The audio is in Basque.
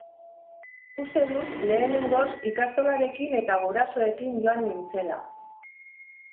Uste dut lehenengoz ikastolarekin eta gurasoekin joan nintzela.